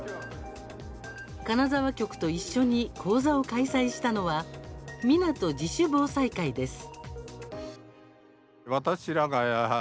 金沢局と一緒に講座を開催したのは湊自主防災会です。